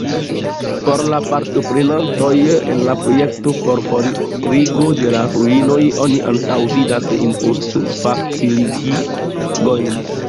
Por la partoprenantoj en la projekto por forigo de la ruinoj oni antaŭvidas impostfaciligojn.